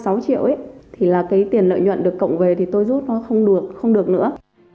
sáu triệu ấy là cái tiền lợi nhuận được cộng về thì tôi rút nó không được không được nữa